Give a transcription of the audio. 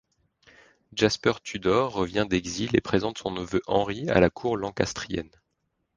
Jasper Tudor revient d'exil et présente son neveu Henri à la cour lancastrienne.